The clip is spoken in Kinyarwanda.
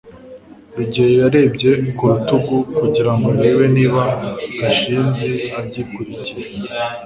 rugeyo yarebye ku rutugu kugira ngo arebe niba gashinzi agikurikira